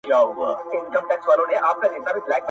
ټول مېږي وه خو هر ګوره سره بېل وه٫